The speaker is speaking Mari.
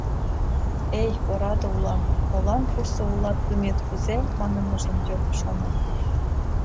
«Эй, ораде улам, молан «кусо улат, лӱмет кузе?» — манын ыжым йод», — шона.